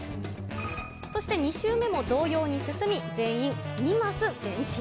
そして２周目も同様に進み、全員２マス前進。